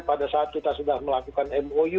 pada saat kita sudah melakukan mou